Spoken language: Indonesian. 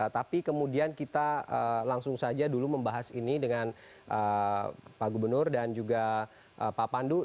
tapi kemudian kita langsung saja dulu membahas ini dengan pak gubernur dan juga pak pandu